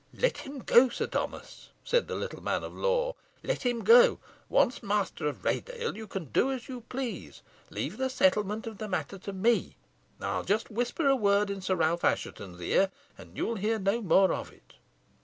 "Let him go, Sir Thomas," said the little man of law; "let him go. Once master of Raydale, you can do as you please. Leave the settlement of the matter to me. I'll just whisper a word in Sir Ralph Assheton's ear, and you'll hear no more of it."